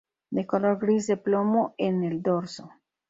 De color gris de plomo en el dorso.